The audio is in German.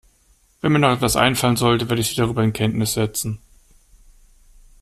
Wenn mir noch etwas einfallen sollte, werde ich Sie darüber in Kenntnis setzen.